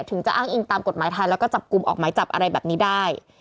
ถึงจะอ้างอิงตามกฎหมายไทยแล้วก็จับกลุ่มออกหมายจับอะไรแบบนี้ได้